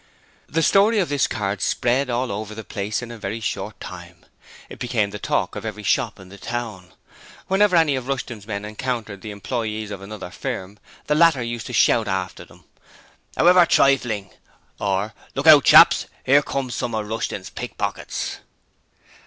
The story of this card spread all over the place in a very short time. It became the talk of every shop in the town. Whenever any of Rushton's men encountered the employees of another firm, the latter used to shout after them 'However trifling!' or 'Look out, chaps! 'Ere comes some of Rushton's pickpockets.'